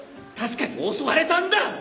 確かに襲われたんだ！